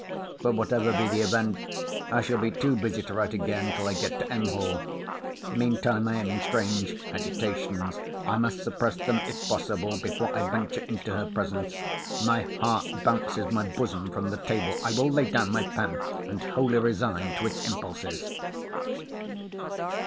But whatever be the event, I shall be too busy to write again, till I get to M. Hall. Mean time, I am in strange agitations. I must suppress them, if possible, before I venture into her presence.—My heart bounces my bosom from the table. I will lay down my pen, and wholly resign to its impulses.